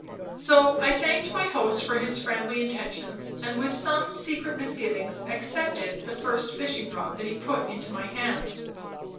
So I thanked my host for his friendly intentions, and, with some secret misgivings, accepted the first fishing rod that he put into my hands.